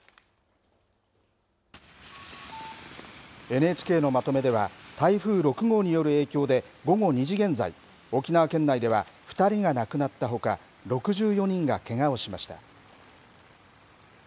ＮＨＫのまとめでは台風６号による影響で午後２時現在沖縄県内では２人が亡くなったほか６４人がけがをしました。